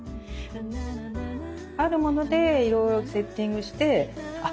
あるものでいろいろセッティングしてあっ